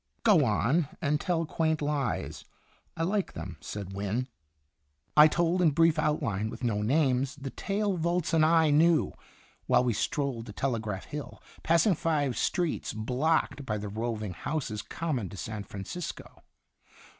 "Go on, 'and tell quaint lies' I like them," said Wynne. I told in brief outline, with no names, the tale Volz and I knew, while we strolled to Telegraph Hill, passing five streets blocked by the roving houses common to San Francisco.